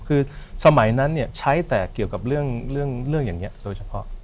คือสมัยนั้นใช้แต่เกี่ยวกับเรื่องอย่างนี้โดยเฉพาะ